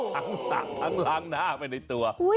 สะทั้งล้างหน้าไปในตัว